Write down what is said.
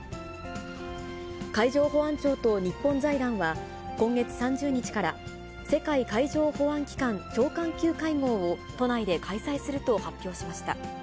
海上保安庁と日本財団は今月３０日から、世界海上保安機関長官級会合を都内で開催すると発表しました。